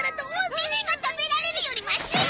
ネネが食べられるよりマシよ！